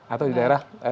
atau di daerah